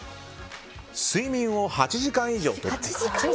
睡眠を８時間以上取っている。